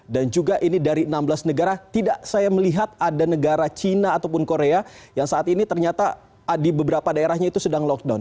dan juga ini dari enam belas negara tidak saya melihat ada negara china ataupun korea yang saat ini ternyata di beberapa daerahnya itu sedang lockdown